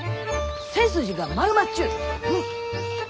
背筋が丸まっちゅう！